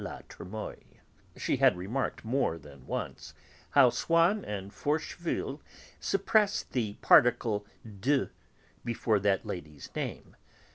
La Trémoïlle?" She had remarked, more than once, how Swann and Forcheville suppressed the particle 'de' before that lady's name.